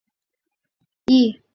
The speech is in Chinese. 吕赫伊。